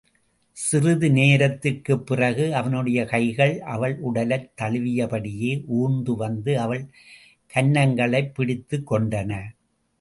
சிறிது நேரத்திற்குப் பிறகு அவனுடைய கைகள் அவள் உடலைத் தழுவியபடியே ஊர்ந்து வந்து அவள் கன்னங்களைப் பிடித்துக் கொண்டன.